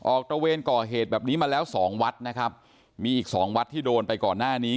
ตระเวนก่อเหตุแบบนี้มาแล้วสองวัดนะครับมีอีกสองวัดที่โดนไปก่อนหน้านี้